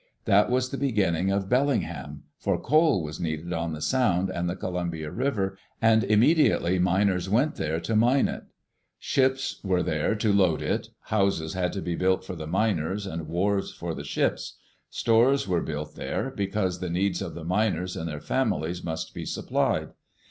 That was the beginning of Bellingham, for coal was needed on the Sound and the Columbia River, and immediately miners went there to mine it. Ships went there to load it; houses had to be built for the miners, and wharves for the ships. Stores were built there, because the needs of the miners and their families must be supplied.